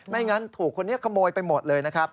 งั้นถูกคนนี้ขโมยไปหมดเลยนะครับ